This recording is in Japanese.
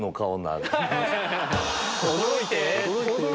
驚いて。